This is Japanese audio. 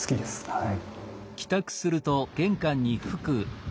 はい。